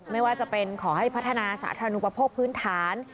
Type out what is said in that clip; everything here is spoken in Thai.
ไม่ว่าจะเป็นขอให้พัฒนาสาธารณูปโภคพื้นฐาน